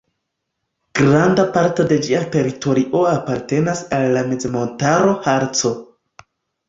Granda parto de ĝia teritorio apartenas al la mezmontaro Harco.